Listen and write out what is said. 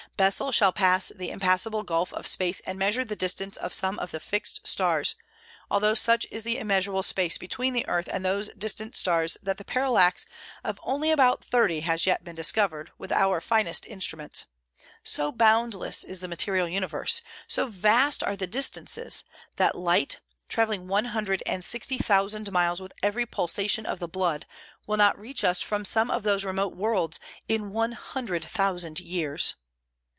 Bessell shall pass the impassable gulf of space and measure the distance of some of the fixed stars, although such is the immeasurable space between the earth and those distant suns that the parallax of only about thirty has yet been discovered with our finest instruments, so boundless is the material universe, so vast are the distances, that light, travelling one hundred and sixty thousand miles with every pulsation of the blood, will not reach us from some of those remote worlds in one hundred thousand years.